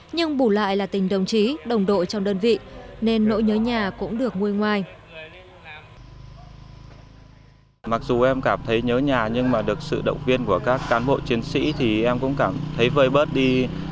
nhưng bù lại là tình đồng chí đồng đội trong đơn vị nên nỗi nhớ nhà cũng được nguôi ngoai